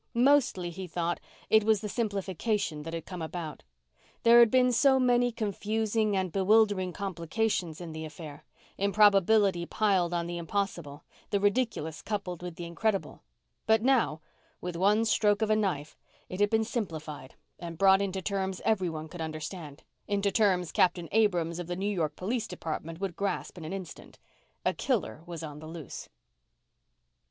Mostly, he thought, it was the simplification that had come about. There had been so many confusing and bewildering complications in the affair; improbability piled on the impossible; the ridiculous coupled with the incredible. But now, with one stroke of a knife, it had been simplified and brought into terms everyone could understand; into terms Captain Abrams of the New York Police Department would grasp in an instant. A killer was on the loose.